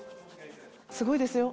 すごいですよ